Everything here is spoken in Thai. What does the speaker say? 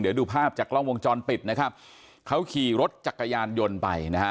เดี๋ยวดูภาพจากกล้องวงจรปิดนะครับเขาขี่รถจักรยานยนต์ไปนะฮะ